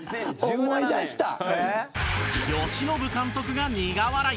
由伸監督が苦笑い！